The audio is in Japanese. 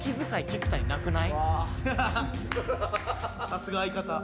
さすが相方。